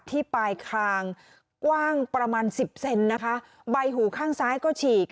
ที่ปลายคางกว้างประมาณสิบเซนนะคะใบหูข้างซ้ายก็ฉีก